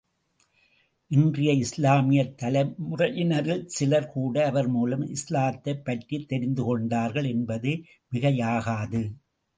இன்றைய இஸ்லாமியத் தலைமுறையினரில் சிலர் கூட அவர் மூலம் இஸ்லாத்தைப் பற்றித் தெரிந்துகொண்டார்கள் என்பது மிகையாகாது.